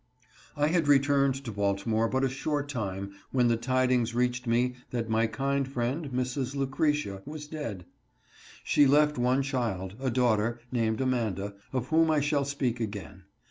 I had returned to Baltimore but a short time when the tidings reached me that my kind friend, Mrs. Lucretia, was dead. She left one child, a daughter, named Amanda, of whom I shall speak again.